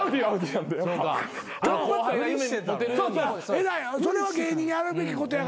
偉いそれは芸人にあるべきことやからな。